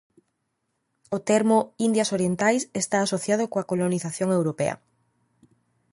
O termo "Indias Orientais" está asociado coa colonización europea.